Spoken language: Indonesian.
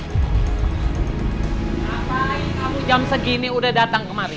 ngapain kamu jam segini udah datang kemari